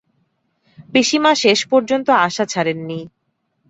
পিসিমা শেষ পর্যন্ত আশা ছাড়েন নি।